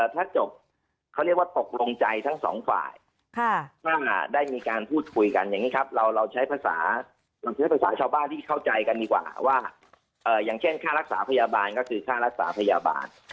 ถ้าจบเขาเรียกว่าตกลงใจทั้งสองฝ่ายถ้าได้มีการพูดคุยกันอย่างนี้ครับเราใช้ภาษาเราใช้ภาษาชาวบ้านที่เข้าใจกันดีกว่าว่าอย่างเช่นค่ารักษาพยาบาลก็คือค่ารักษาพยาบาล